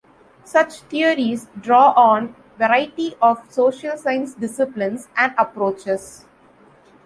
Such theories draw on a variety of social science disciplines and approaches.